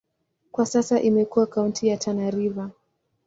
Kwa sasa imekuwa kaunti ya Tana River.